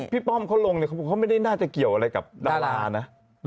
ป้อมเขาลงเนี่ยเขาไม่ได้น่าจะเกี่ยวอะไรกับดารานะ